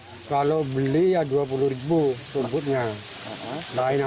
untuk sapi limousin seberat satu empat ton ini